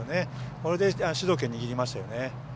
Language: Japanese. これで主導権握りましたよね。